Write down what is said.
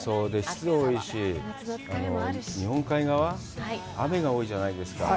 湿度が多いし、日本海側、雨が多いじゃないですか。